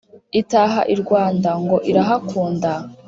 Itaha i Rwanda ngo irahakunda